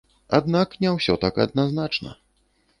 Аднак не ўсё так адназначна.